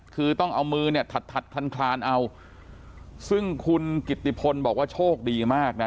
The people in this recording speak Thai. คือต้องเอามือเนี่ยถัดถัดคลานคลานเอาซึ่งคุณกิตติพลบอกว่าโชคดีมากนะ